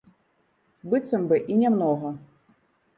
Быццам бы і не многа!